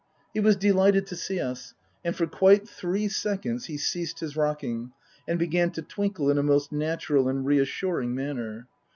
He was delighted to see us, and for quite three seconds he ceased his rocking and began to twinkle in a most natural and reassuring manner.